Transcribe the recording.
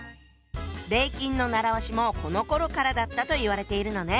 「礼金」の習わしもこのころからだったと言われているのね。